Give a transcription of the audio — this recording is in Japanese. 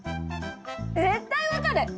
絶対分かる！